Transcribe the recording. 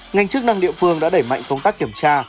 ngành chức năng địa phương đã đẩy mạnh công tác kiểm tra